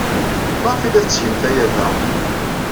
Maɣef ay la tettgemt aya da?